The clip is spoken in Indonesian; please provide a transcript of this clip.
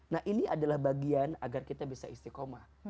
nah ini adalah bagian agar kita bisa istiqomah